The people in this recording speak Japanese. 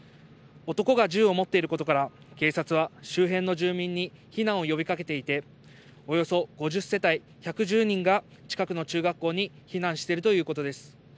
男が銃を持っていることから、警察は周辺の住民に避難を呼びかけていて、およそ５０世帯１１０人が近くの中学校に避難しているということです。